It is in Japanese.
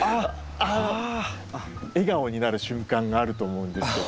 笑顔になる瞬間があると思うんですけど。